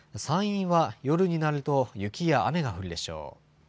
山陰は夜になると雪や雨が降るでしょう。